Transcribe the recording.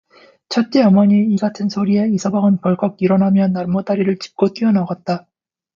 첫째 어머니의 이 같은 소리에 이서방은 벌컥 일어나며 나무다리를 짚고 뛰어나갔다.